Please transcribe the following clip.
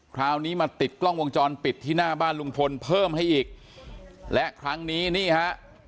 คราวนี้มาติดกล้องวงจรปิดที่หน้าบ้านลุงพลเพิ่มให้อีกและครั้งนี้นี่ฮะ